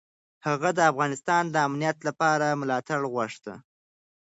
هغه د افغانستان د امنیت لپاره ملاتړ غوښت.